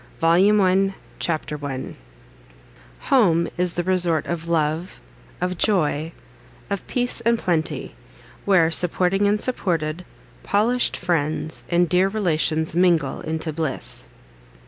VOLUME 1 CHAPTER I home is the resort Of love, of joy, of peace and plenty, where, Supporting and supported, polish'd friends And dear relations mingle into bliss.